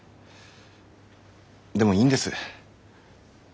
でもいいんです。